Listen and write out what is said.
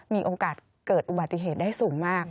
มีโอกาสเกิดอุบัติเหตุได้สูงมาก